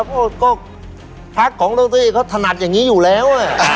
ภารกิจทศาสตร์ตรงพี่เขาถนัดอย่างงี้อยู่แล้ว